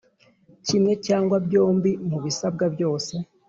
kimwe cyangwa byombi mu bisabwa byose